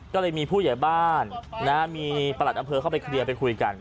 ก็เลยมีผู้ใหญ่บ้านมีประหลัดอำเภอเข้าไปเคลียร์ไปคุยกัน